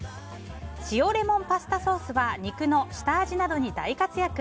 塩レモンパスタソースは肉の下味などに大活躍。